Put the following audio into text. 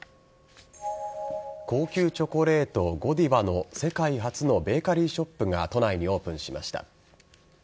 高級チョコレート・ゴディバの世界初のベーカリーショップが都内にオープンしました。